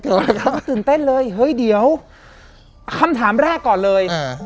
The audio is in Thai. เราก็ตื่นเต้นเลยเฮ้ยเดี๋ยวคำถามแรกก่อนเลยอ่า